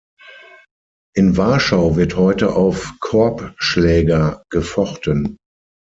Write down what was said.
In Warschau wird heute auf Korbschläger gefochten.